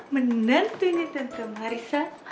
menantungi tante marissa